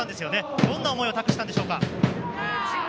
どんな思いを託したんでしょう？